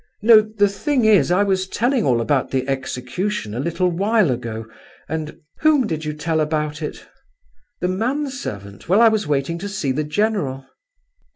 "No,—the thing is, I was telling all about the execution a little while ago, and—" "Whom did you tell about it?" "The man servant, while I was waiting to see the general."